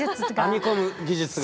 編み込む技術が。